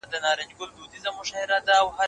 د دې ښکلا لیدلو لپاره.